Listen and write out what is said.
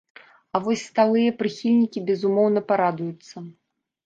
А вось сталыя прыхільнікі, безумоўна, парадуюцца.